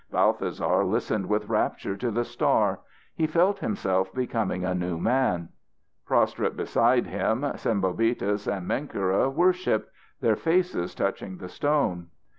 Balthasar listened with rapture to the star. He felt himself becoming a new man. Prostrate beside him, Sembobitis and Menkera worshipped, their faces touching the stone.